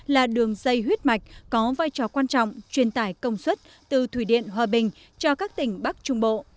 là đường dây huyết mạch có vai trò quan trọng truyền tải công suất từ thủy điện hòa bình cho các tỉnh bắc trung bộ